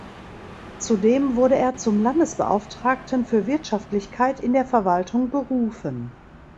Zudem wurde er zum Landesbeauftragten für Wirtschaftlichkeit in der Verwaltung berufen.